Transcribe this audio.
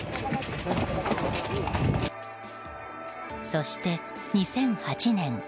そして、２００８年。